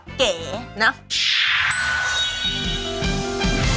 สวัสดีค่ะแม่บ้านสวัสดีค่ะ